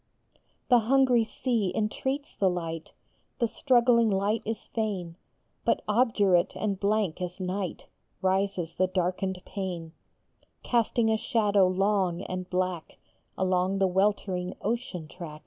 The hungry sea entreats the light, The struggling light is fain, But obdurate and blank as night Rises the darkened pane, Casting a shadow long and black Along the weltering ocean track.